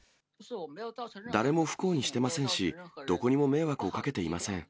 誰も不幸にしてませんし、どこにも迷惑をかけていません。